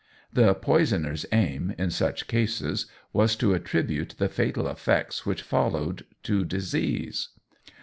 The poisoner's aim, in such cases, was to attribute the fatal effects which followed to disease.